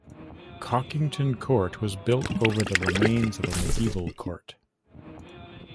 Cockington Court was built over the remains of a medieval court.